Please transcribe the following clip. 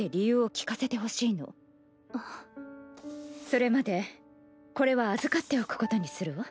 それまでこれは預かっておくことにするわ。